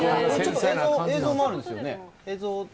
映像もあるんですよね。